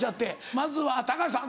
まずは高橋さん